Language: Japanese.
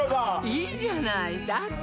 いいじゃないだって